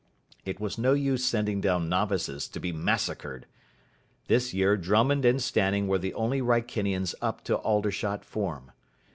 It was no use sending down novices to be massacred. This year Drummond and Stanning were the only Wrykinians up to Aldershot form.